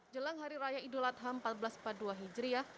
jelang hari raya idul adham empat belas empat puluh dua hijriah